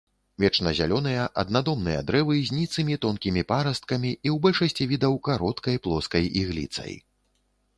Вечназялёныя, аднадомныя дрэвы з ніцымі тонкімі парасткамі і ў большасці відаў кароткай плоскай ігліцай.